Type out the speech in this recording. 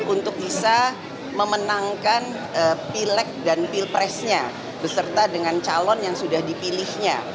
untuk bisa memenangkan pilek dan pilpresnya beserta dengan calon yang sudah dipilihnya